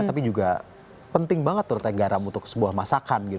tapi juga penting banget menurut teh garam untuk sebuah masakan gitu